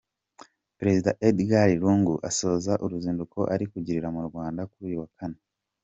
Perezida Edgar Lungu azasoza uruzinduko ari kugirira mu Rwanda kuri uyu wa Kane.